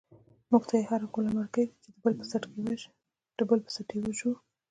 مونږ ته هر گوله مرگۍ دۍ، چی دبل په ست یی ژوو